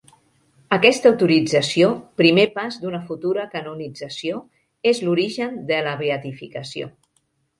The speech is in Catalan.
Aquesta autorització, primer pas d'una futura canonització, és l'origen de la beatificació.